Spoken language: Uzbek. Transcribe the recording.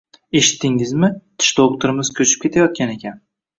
Eshitdingizmi, tish doʻxtirimiz koʻchib ketayotgan ekan.